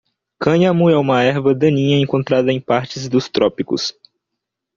Cânhamo é uma erva daninha encontrada em partes dos trópicos.